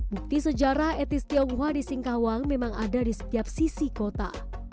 bukti sejarah etis tionghoa di singkawang memang ada di setiap sisi kota